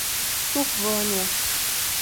Turvânia